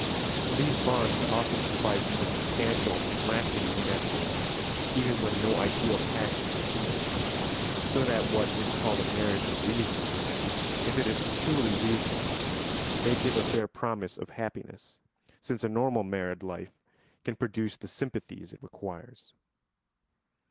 These bonds often suffice for substantial and lasting unanimity, even when no ideal passion preceded; so that what is called a marriage of reason, if it is truly reasonable, may give a fair promise of happiness, since a normal married life can produce the sympathies it requires.